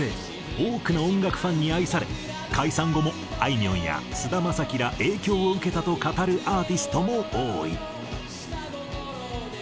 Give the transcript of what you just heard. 多くの音楽ファンに愛され解散後もあいみょんや菅田将暉ら影響を受けたと語るアーティストも多い。